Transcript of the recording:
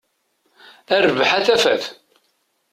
A rrbeḥ a tafat!